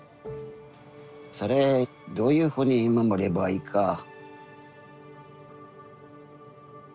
それどういうふうに守ればいいか。